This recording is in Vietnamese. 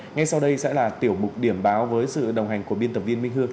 ngay sau đây sẽ là tiểu mục điểm báo với sự đồng hành của biên tập viên minh hương